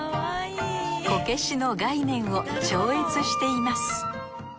こけしの概念を超越しています